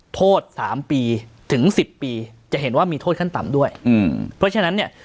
โทษสามปีถึงสิบปีจะเห็นว่ามีโทษขั้นต่ำด้วยอืมเพราะฉะนั้นเนี่ย